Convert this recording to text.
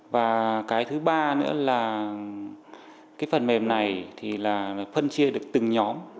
và thứ ba nữa là phần mềm này phân chia được từng nhóm